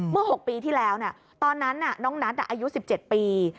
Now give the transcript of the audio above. ๖ปีที่แล้วตอนนั้นน้องนัทอายุ๑๗ปี